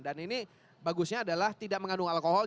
dan ini bagusnya adalah tidak mengandung alkohol